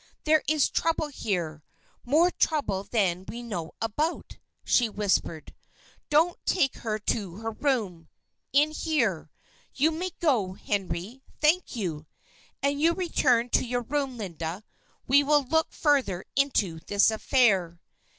"There is trouble here more trouble than we know about," she whispered. "Don't take her to her room. In here! You may go, Henry. Thank you! And you return to your room, Linda. We will look further into this affair."